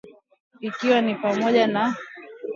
ikiwa ni pamoja na Mahakama ya Haki ya Afrika,